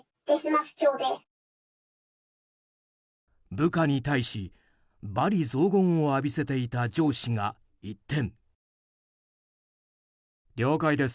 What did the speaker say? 部下に対し罵詈雑言を浴びせていた上司が一転。